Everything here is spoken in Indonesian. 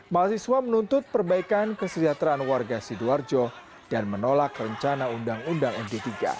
mahasiswa menuntut perbaikan keselidateran warga sidoarjo dan menolak rencana ruu md tiga